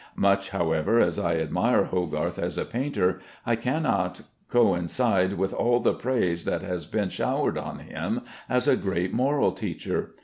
Much, however, as I admire Hogarth as a painter, I cannot coincide with all the praise that has been showered on him as a great moral teacher.